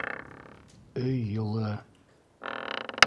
Өй йылы.